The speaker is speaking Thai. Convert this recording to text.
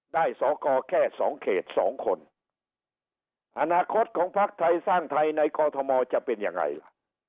สอกรแค่สองเขตสองคนอนาคตของพักไทยสร้างไทยในกอทมจะเป็นยังไงล่ะ